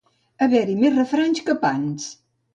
Haver-hi més refranys que pans.